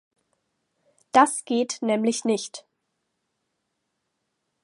Das geht nämlich nicht.